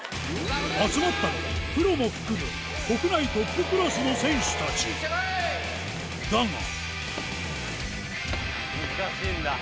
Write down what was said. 集まったのはプロも含む国内トップクラスの選手たちだが難しいんだ。